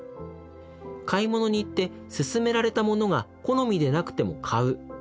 買い物に行って勧められたものが好みでなくても買う。